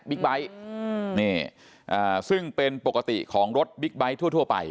บิ๊กไบท์นี่อ่าซึ่งเป็นปกติของรถบิ๊กไบท์ทั่วทั่วไป